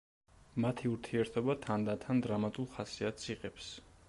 მათი ურთიერთობა თანდათან დრამატულ ხასიათს იღებს.